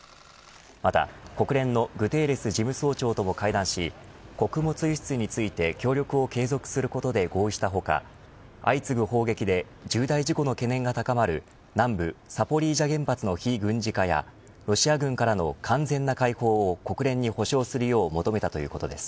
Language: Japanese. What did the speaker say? また国連のグテーレス事務総長とも会談し穀物輸出について協力を継続することで合意した他相次ぐ砲撃で重大事故の懸念が高まる南部サポリージャ原発の非軍事化やロシア軍からの完全な解放を国連に保証するよう求めたということです。